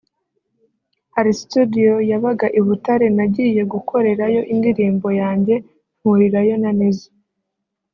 Hari studio yabaga i Butare nagiye gukorerayo indirimbo yanjye mpurirayo na Nizzo